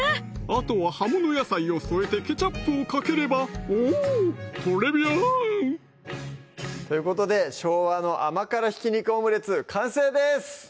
あとは葉物野菜を添えてケチャップをかければおぉトレビアンということで「昭和の甘辛ひき肉オムレツ」完成です